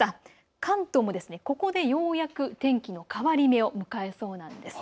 関東もここでようやく天気の変わり目を迎えそうなんです。